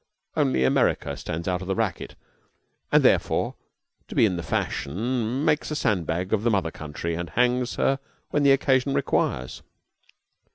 Only America stands out of the racket, and therefore to be in fashion makes a sand bag of the mother country, and hangs her when occasion requires.